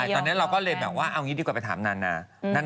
ตอนนี้เราก็เอาอย่างงี้ดีกว่าไปถามน่าจริง